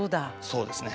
そうですね。